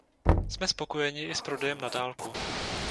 Jsme spokojeni i s prodejem na dálku.